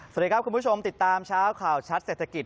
สวัสดีครับคุณผู้ชมติดตามเช้าข่าวชัดเศรษฐกิจ